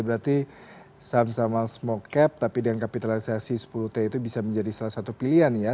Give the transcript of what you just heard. berarti saham saham small cap tapi dengan kapitalisasi sepuluh t itu bisa menjadi salah satu pilihan ya